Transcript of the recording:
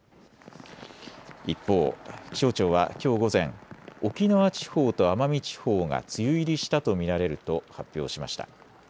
一方、気象庁はきょう午前、沖縄地方と奄美地方が梅雨入りしたと見られると発表しました。